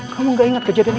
kamu gak inget kejadian itu